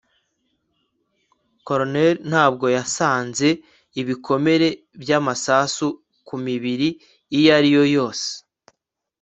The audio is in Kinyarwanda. coroner ntabwo yasanze ibikomere by'amasasu ku mibiri iyo ari yo yose